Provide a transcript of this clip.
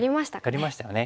やりましたよね。